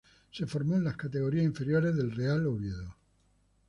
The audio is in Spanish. Se formó en las categorías inferiores del Real Oviedo.